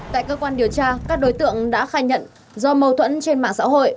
tại cơ quan điều tra các đối tượng đã khai nhận do mâu thuẫn trên mạng xã hội